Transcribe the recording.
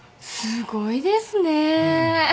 すごいですね。